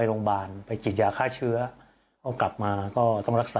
ก็เลยต้องมาไลฟ์ขายของแบบนี้เดี๋ยวดูบรรยากาศกันหน่อยนะคะ